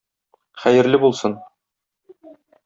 Хәерле булсын!